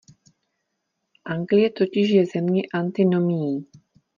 Anglie totiž je země antinomií.